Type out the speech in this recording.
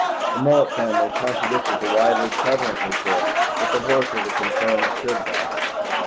The Mullet family contradicted the widely prevalent report that the horse was a confirmed crib biter.